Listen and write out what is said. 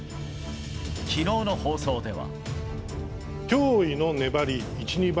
昨日の放送では。